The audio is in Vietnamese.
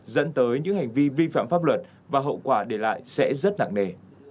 dẫn tới những hành vi vi phạm pháp luật và hậu quả để lại sẽ rất nặng nề